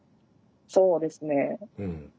そうですね。